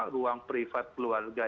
ruang privat keluarga